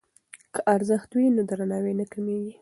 که ارزښت وي نو درناوی نه کمېږي.